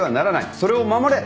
それを守れ」かな。